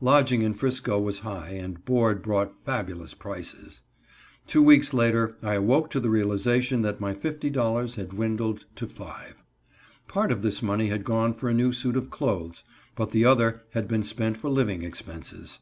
Lodging in 'Frisco was high and board brought fabulous prices. Two weeks later I awoke to the realization that my $50.00 had dwindled to $5.00. Part of this money had gone for a new suit of clothes, but the other had been spent for living expenses.